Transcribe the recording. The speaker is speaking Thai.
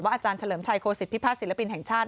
ว่าอาจารย์เฉลิมชัยโครสิตพิพภาษณ์ศิลปินแห่งชาติ